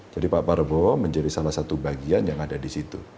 jadi pak prabowo menjadi salah satu bagian yang ada di situ